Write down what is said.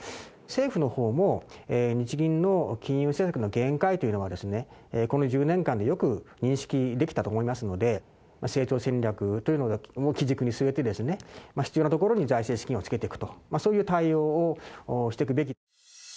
政府のほうも、日銀の金融政策の限界というのが、この１０年間でよく認識できたと思いますので、成長戦略というのを基軸に据えて、必要なところに財政資金をつけていくと、そういう対応をしていくべき。